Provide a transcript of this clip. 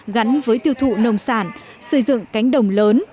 gắn với tiêu thụ nông sản xây dựng cánh đồng lớn